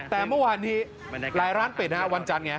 แต่เมื่อวานนี้หลายร้านปิดฮะวันจันทร์ไง